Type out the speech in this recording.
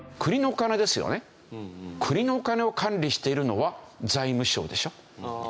国のお金を管理しているのは財務省でしょ？